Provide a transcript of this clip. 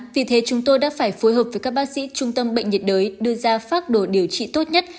vì thế chúng tôi đã phải phối hợp với các bác sĩ trung tâm bệnh nhiệt đới đưa ra pháp đồ điều trị tốt nhất